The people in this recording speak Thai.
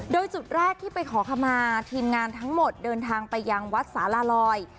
โดยจุดแรกที่ไปขอขมาทีมงานทั้งหมดเดินทางไปยังวัดสาลาลอย